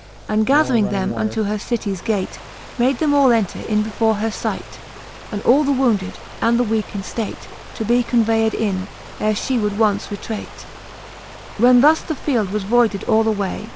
And gathering them unto her cities gate, Made them all enter in before her fight, And all the wounded, and the weake in ftate, To be convayed in, ere fhe would once retrate, XLVI. When thus the field was voided all away.